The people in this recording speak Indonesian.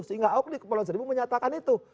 sehingga ahok di kepulauan seribu menyatakan itu